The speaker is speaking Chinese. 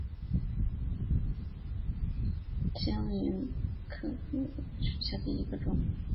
直刺藤橘为芸香科单叶藤橘属下的一个种。